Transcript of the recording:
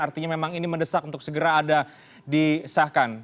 artinya memang ini mendesak untuk segera ada disahkan